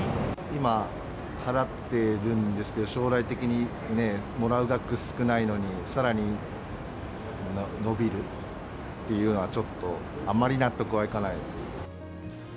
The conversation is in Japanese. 今払っているんですけど、将来的にもらう額少ないのに、さらに延びるっていうのは、ちょっと、あまり納得はいかないですね。